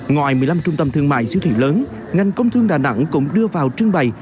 ngoài một mươi năm trung tâm thương mại siêu thị lớn ngành công thương đà nẵng cũng đưa vào trưng bày